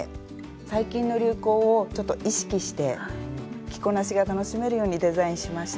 最近の流行をちょっと意識して着こなしが楽しめるようにデザインしました。